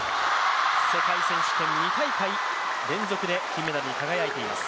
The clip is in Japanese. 世界選手権２大会連続で金メダルに輝いています。